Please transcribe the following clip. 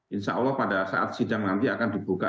insya allah pada saat sidang nanti akan dibuka